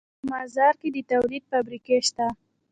په مزار کې د تولید فابریکې شته